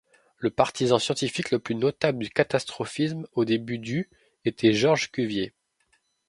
Le partisan scientifique le plus notable du catastrophisme au début du était Georges Cuvier.